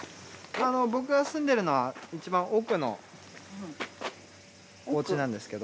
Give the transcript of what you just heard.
僕が住んでるのはいちばん奥のおうちなんですけど。